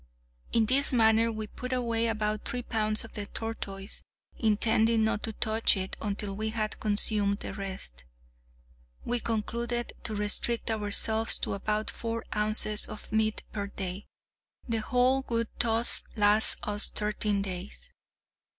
In this manner we put away about three pounds of the tortoise, intending not to touch it until we had consumed the rest. We concluded to restrict ourselves to about four ounces of the meat per day; the whole would thus last us thirteen days.